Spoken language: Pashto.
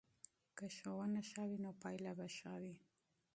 که ښوونه ښه وي نو پایله به ښه وي.